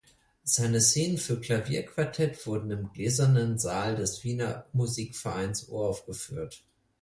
Seine "Szenen" für Klavierquartett wurden im Gläsernen Saal des Wiener Musikvereins uraufgeführt.